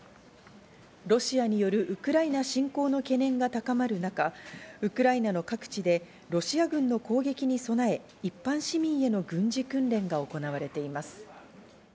ロシアによるウクライナ侵攻の懸念が高まる中、ウクライナの各地でロシア軍の攻撃に備え、一般市民への軍事訓練が行われています。